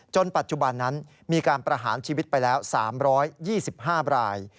ปัจจุบันนั้นมีการประหารชีวิตไปแล้ว๓๒๕ราย